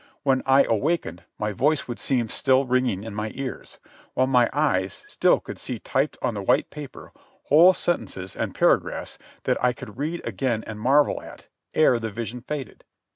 When I awakened my voice would seem still ringing in my ears, while my eyes still could see typed on the white paper whole sentences and paragraphs that I could read again and marvel at ere the vision faded.